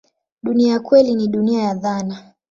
Dunia ya kweli ni dunia ya dhana.